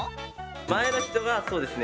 前の人がそうですね